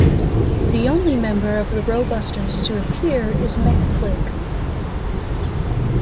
The only member of the Ro-busters to appear is Mek-Quake.